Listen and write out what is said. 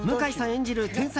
演じる天才